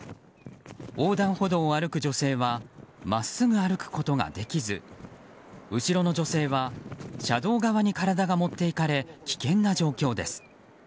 横断歩道を歩く女性は真っすぐ歩くことができず後ろの女性は車道側に体が持っていかれ危険な状況です。